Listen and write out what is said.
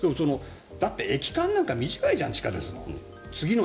だって駅間なんて短いじゃん地下鉄の。